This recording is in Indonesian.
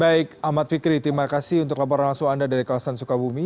baik ahmad fikri terima kasih untuk laporan langsung anda dari kawasan sukabumi